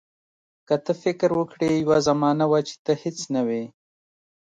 که ته فکر وکړې یوه زمانه وه چې ته هیڅ نه وې.